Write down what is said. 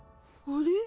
あれ？